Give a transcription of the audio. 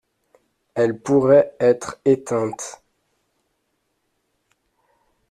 Elle pourrait être éteinte.